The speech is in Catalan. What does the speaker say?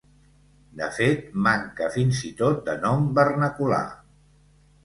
De fet, manca fins i tot de nom vernacular.